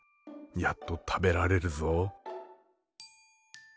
やっと食べられるぞ。